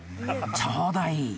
ちょうどいい］